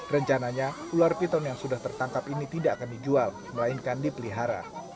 rencananya ular piton yang sudah tertangkap ini tidak akan dijual melainkan dipelihara